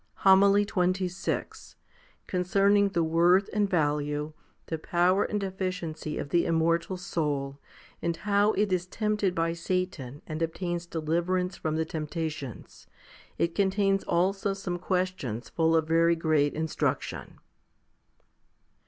HOMILY XXVI Concerning the worth and value, the power and efficiency of the immortal soul, and how it is tempted by Satan and obtains deliverance from the temptations. It contains also some questions full of very great instruction.